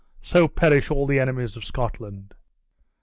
So perish all the enemies of Scotland!"